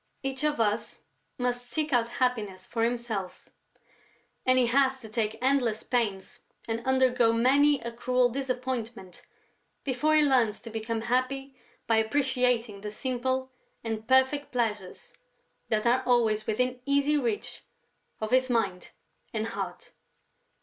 Each of us must seek out happiness for himself; and he has to take endless pains and undergo many a cruel disappointment before he learns to become happy by appreciating the simple and perfect pleasures that are always within easy reach of his mind and heart.